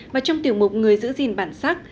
và trong tiểu mục người giữ gìn bản sắc